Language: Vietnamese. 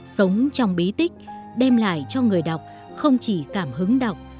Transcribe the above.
sống trong bí tích đem lại cho người đọc không chỉ cảm hứng đọc